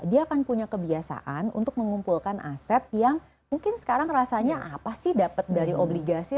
dia akan punya kebiasaan untuk mengumpulkan aset yang mungkin sekarang rasanya apa sih dapat dari obligasi